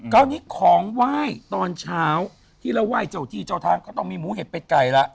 คราวนี้ของไหว้ตอนเช้าที่เราไหว้เจ้าที่เจ้าทางก็ต้องมีหมูเห็ดเป็ดไก่ละ